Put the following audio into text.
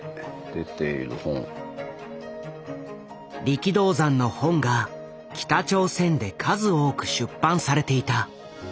力道山の本が北朝鮮で数多く出版されていた。